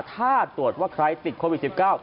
ถ้าตรวจว่าใครติดโควิด๑๙